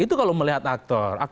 untuk apa berbohong dalam konteks ini